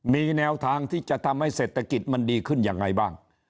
มีแนวทางที่จะทำให้เศรษฐกิจมันดีขึ้นยังไงบ้าง